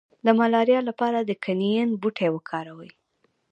د ملاریا لپاره د کینین بوټی وکاروئ